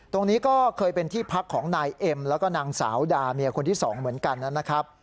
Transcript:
ตรงนี้ก็เคยเป็นที่พักของนายเอ็มแล้วก็นางสาวดาเมียคนที่๒เหมือนกันนะครับ